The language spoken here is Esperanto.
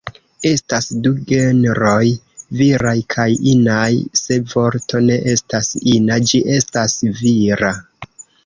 Estas du genroj: viraj kaj inaj, se vorto ne estas ina, ĝi estas vira.